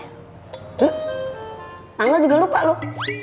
loh tanggal juga lupa loh